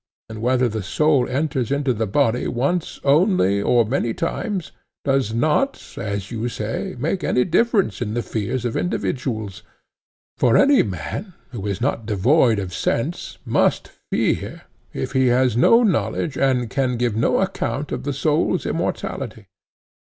And whether the soul enters into the body once only or many times, does not, as you say, make any difference in the fears of individuals. For any man, who is not devoid of sense, must fear, if he has no knowledge and can give no account of the soul's immortality.